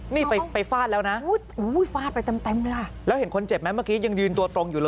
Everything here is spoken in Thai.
นี่ไปฟาดแล้วนะ